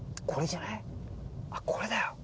あっこれだよ。